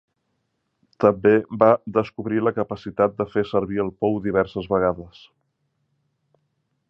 També va descobrir la capacitat de fer servir el pou diverses vegades.